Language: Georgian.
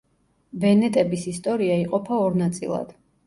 ვენეტების ისტორია იყოფა ორ ნაწილად.